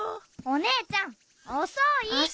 お姉ちゃん遅い！